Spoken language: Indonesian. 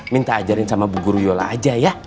minta ajarin sama bu guru yola aja ya